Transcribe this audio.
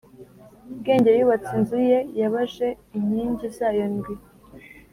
bwenge yubatse inzu ye, yabaje inkingi zayo ndwi,